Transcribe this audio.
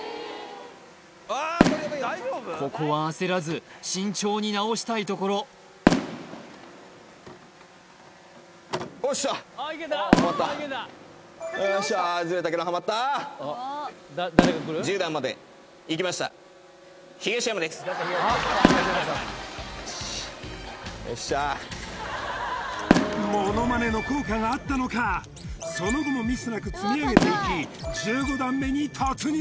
ここは焦らず慎重に直したいところおっしゃハマったよっしゃーよっしゃーモノマネの効果があったのかその後もミスなく積み上げていき１５段目に突入